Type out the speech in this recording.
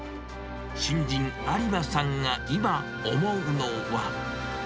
新人、有馬さんが今、思うのは。